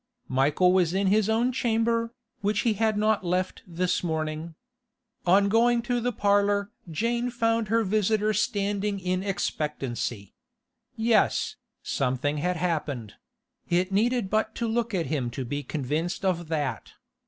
Michael was in his own chamber, which he had not left this morning. On going to the parlour Jane found her visitor standing in expectancy. Yes, something had happened; it needed but to look at him to be convinced of that.